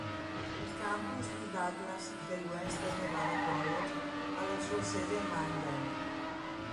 Il campus di Douglas del Western Nevada College ha la sua sede a Minden.